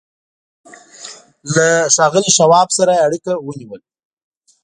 له ښاغلي شواب سره يې اړيکه ونيوه.